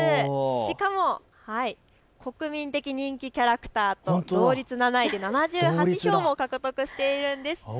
しかも国民的人気キャラクターと同率７位で７８票も獲得しているんです。